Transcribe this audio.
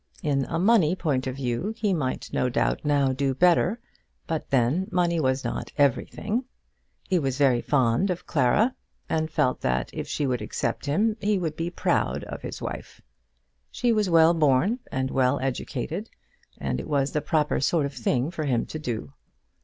In a money point of view he might no doubt now do better; but then money was not everything. He was very fond of Clara, and felt that if she would accept him he would be proud of his wife. She was well born and well educated, and it was the proper sort of thing for him to do.